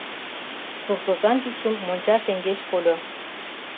Суртозан йӱкшым монча шеҥгеч кольо.